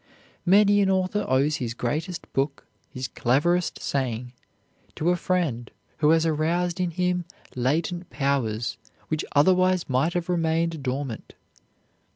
Many an author owes his greatest book, his cleverest saying to a friend who has aroused in him latent powers which otherwise might have remained dormant.